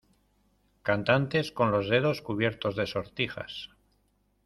cantantes con los dedos cubiertos de sortijas